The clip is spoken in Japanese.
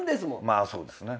まあそうですね。